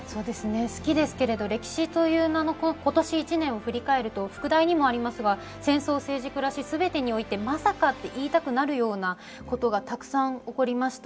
好きですけれど、歴史という名の今年一年を振り返りますと、副題にもありますが、戦争・政治・暮らし全てにおいて、まさかと言いたくなるようなことがたくさん起こりました。